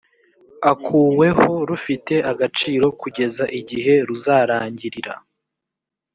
akuweho rufite agaciro kugeza igihe ruzarangirira